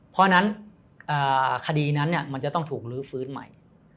เพราะฉะนั้นคดีนั้นมันจะต้องถูกลื้อฟื้นใหม่